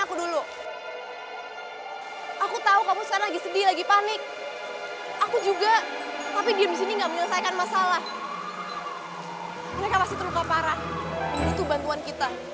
atau atau jangan jangan mereka diculik